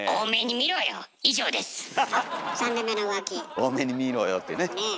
「大目にみろよ」ってね。